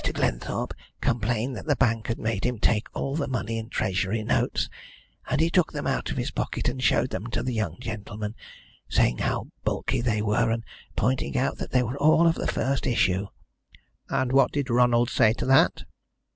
Glenthorpe complained that the bank had made him take all the money in Treasury notes, and he took them out of his pocket and showed them to the young gentleman, saying how bulky they were, and pointing out that they were all of the first issue." "And what did Ronald say to that?"